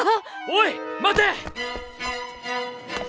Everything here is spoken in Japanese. おい待て！